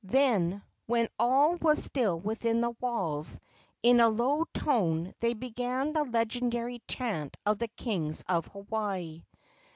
Then, when all was still within the walls, in a low tone they began the legendary chant of the kings of Hawaii.